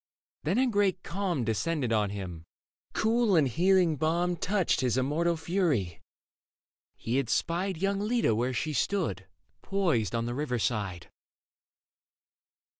Then a great calm Descended on him : cool and healing balm Touched his immortal fury. He had spied Young Leda where she stood, poised on the river side.